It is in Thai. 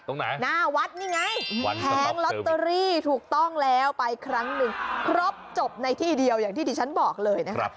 ตรงไหนหน้าวัดนี่ไงแผงลอตเตอรี่ถูกต้องแล้วไปครั้งหนึ่งครบจบในที่เดียวอย่างที่ที่ฉันบอกเลยนะครับ